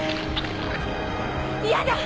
嫌だ！